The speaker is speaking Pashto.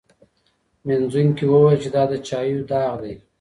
مینځونکي وویل چي دا د چایو داغ دی.